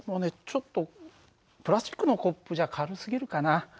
ちょっとプラスチックのコップじゃ軽すぎるかな。